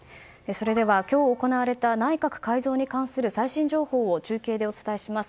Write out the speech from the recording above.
それでは今日行われた内閣改造に関する最新情報を中継でお伝えします。